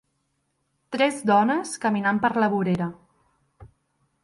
Tres dones caminant per la vorera.